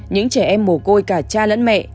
những trẻ em mồ côi cả cha lẫn mẹ